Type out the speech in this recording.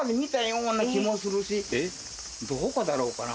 どこだろうかな？